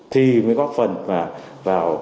thì mới góp phần vào